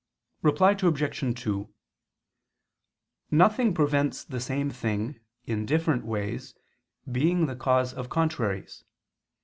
Reply Obj. 2: Nothing prevents the same thing, in different ways, being the cause of contraries.